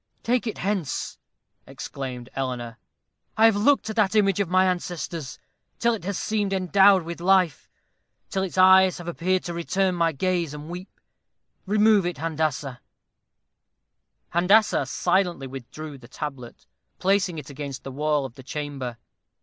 "Take it hence," exclaimed Eleanor; "I have looked at that image of my ancestors, till it has seemed endowed with life till its eyes have appeared to return my gaze, and weep. Remove it, Handassah." Handassah silently withdrew the tablet, placing it against the wall of the chamber.